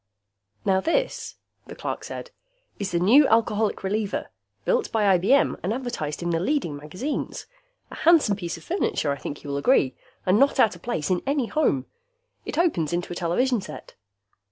"Now this," the clerk said, "is the new Alcoholic Reliever, built by IBM and advertised in the leading magazines. A handsome piece of furniture, I think you will agree, and not out of place in any home. It opens into a television set."